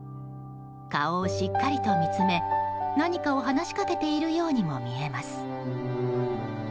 顔をしっかりと見つめ何かを話しかけているようにも見えます。